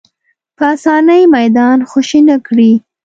په اسانۍ میدان خوشې نه کړي